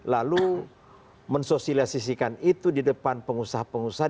lalu mensosialisasikan itu di depan pengusaha pengusaha